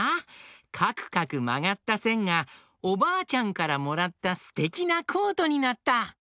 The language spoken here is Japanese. かくかくまがったせんがおばあちゃんからもらったすてきなコートになった！